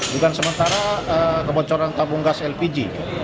bukan sementara kebocoran tabung gas lpg